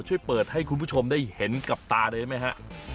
ช่วยเปิดให้คุณผู้ชมได้เห็นกับตาเลยได้ไหมฮะ